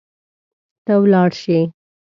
ته ولاړ شي